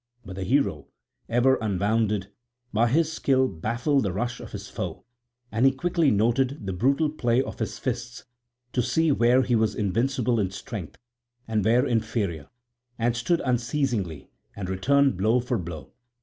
But the hero, ever unwounded, by his skill baffled the rush of his foe, and he quickly noted the brutal play of his fists to see where he was invincible in strength, and where inferior, and stood unceasingly and returned blow for blow.